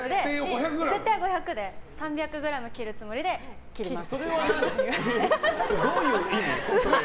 設定は５００ｇで３００ｇ切るつもりで切ります。